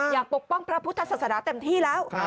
ปกป้องพระพุทธศาสนาเต็มที่แล้ว